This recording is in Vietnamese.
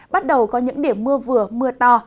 bắt đầu có những điểm mưa vừa mưa to